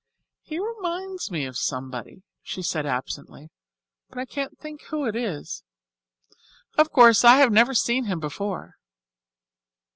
"He reminds me of somebody," she said absently, "but I can't think who it is. Of course, I have never seen him before.